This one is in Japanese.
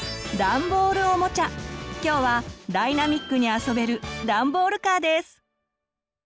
今日はダイナミックに遊べる「ダンボールカー」です。